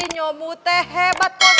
nyomutnya hebat kok